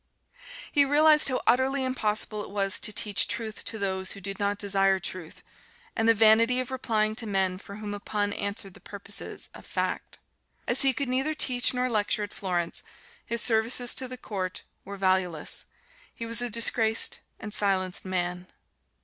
He realized how utterly impossible it was to teach truth to those who did not desire truth, and the vanity of replying to men for whom a pun answered the purposes of fact. As he could neither teach nor lecture at Florence, his services to the Court were valueless. He was a disgraced and silenced man.